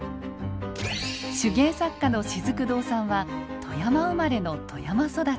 手芸作家のしずく堂さんは富山生まれの富山育ち。